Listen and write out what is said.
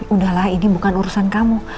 udahlah ini bukan urusan kamu